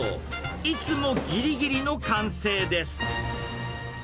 いつもぎりぎりの完成です。